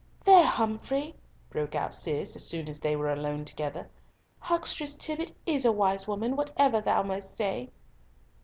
"There, Humfrey," broke out Cis, as soon as they were alone together, "Huckstress Tibbott is a wise woman, whatever thou mayest say."